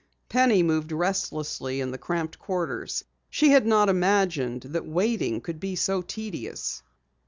Penny moved restlessly in the cramped quarters. She had not imagined that waiting could be so tedious.